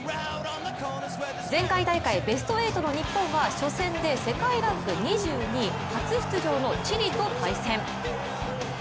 前回大会ベスト８の日本は初戦で世界ランク２２位初出場のチリと対戦。